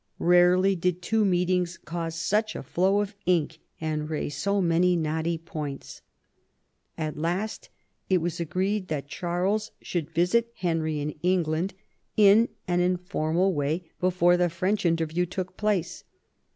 Earely did two meetings cause such a flow of ink and raise so many knotty points. At last it was agreed that Charles should visit Henry in England in an informal way before the French interview took place.